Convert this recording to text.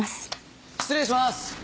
失礼します。